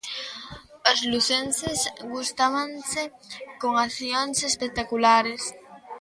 Os lucenses gustábanse con accións espectaculares.